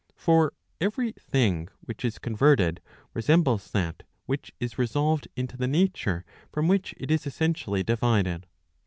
For every thing which is converted resembles that which is resolved into the nature from which it is essentially divided.